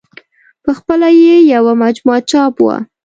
په خپله یې یوه مجموعه چاپ وه.